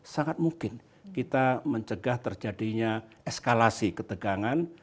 sangat mungkin kita mencegah terjadinya eskalasi ketegangan